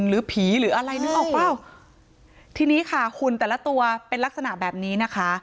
หรือผีหรืออะไรนึกออกเปล่าทีนี้ค่ะหุ่นแต่ละตัวเป็นลักษณะแบบนี้นะคะ